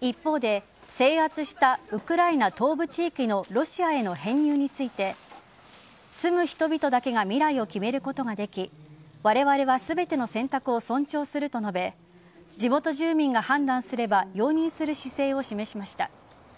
一方で、制圧したウクライナ東部地域のロシアへの編入について住む人々だけが未来を決めることができわれわれは全ての選択を尊重すると述べ地元住民が判断すれば容認する姿勢を示しました。